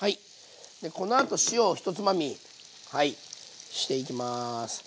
このあと塩を１つまみはいしていきます。